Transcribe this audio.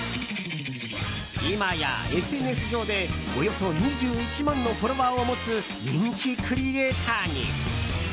今やＳＮＳ上でおよそ２１万のフォロワーを持つ人気クリエーターに。